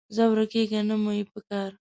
ځه ورکېږه، نه مو یې پکار